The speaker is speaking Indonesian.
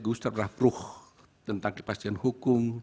gustaf rafferuh tentang kepastian hukum